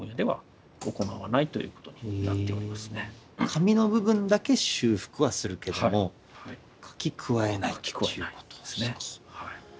紙の部分だけ修復はするけども書き加えないということですね。